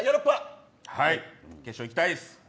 決勝いきたいです。